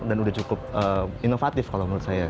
dan udah cukup inovatif kalau menurut saya